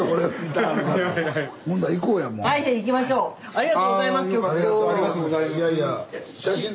ありがとうございます。